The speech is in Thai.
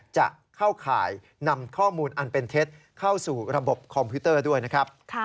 จะเข้าข่ายนำข้อมูลอันเป็นเท็จเข้าสู่ระบบคอมพิวเตอร์ด้วยนะครับ